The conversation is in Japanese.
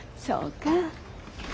そうか。